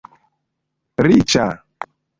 riĉa